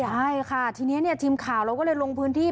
ใช่ค่ะทีนี้ทีมข่าวเราก็เลยลงพื้นที่